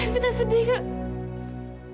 kita sedih kan